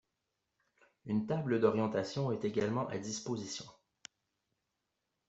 Une table d'orientation est également à disposition.